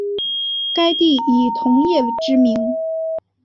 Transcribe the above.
该地以铜业知名。